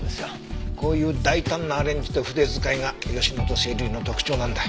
こういう大胆なアレンジと筆遣いが義本青流の特徴なんだ。